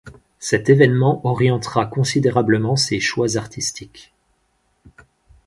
Cet évènement orientera considérablement ses choix artistiques.